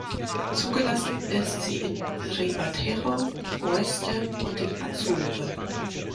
Zugelassen ist sie in Ribatejo, Oeste und den Azoren.